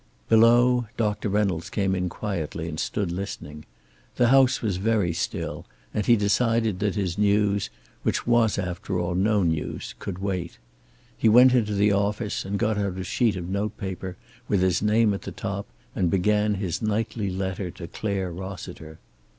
Below, Doctor Reynolds came in quietly and stood listening. The house was very still, and he decided that his news, which was after all no news, could wait. He went into the office and got out a sheet of note paper, with his name at the top, and began his nightly letter to Clare Rossiter.